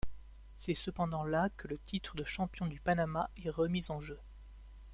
C'est cependant la que le titre de champion du Panama est remis en jeu.